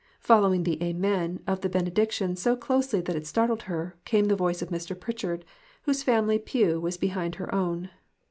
Following the "Amen" of the benedic tion so closely that it startled her, came the voice of Mr. Pritchard, whose family pew was behind her own.